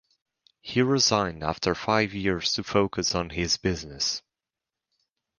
He resigned after five years to focus on his business.